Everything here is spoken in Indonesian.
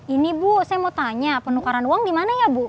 ini bu saya mau tanya penukaran uang di mana ya bu